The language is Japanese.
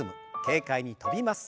軽快に跳びます。